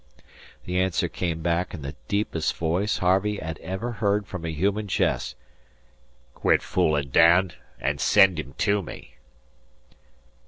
The answer came back in the deepest voice Harvey had ever heard from a human chest: "Quit foolin', Dan, and send him to me."